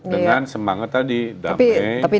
dengan semangat tadi damai